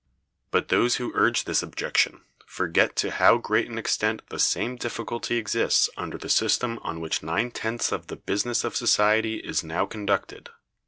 But those who urge this objection forget to how great an extent the same difficulty exists under the system on which nine tenths of the business of society is now conducted.